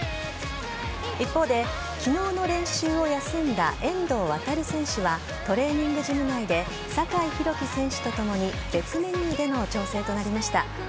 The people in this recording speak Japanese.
一方で昨日の練習を休んだ遠藤航選手はトレーニングジム内で酒井宏樹選手とともに別メニューでの調整となりました。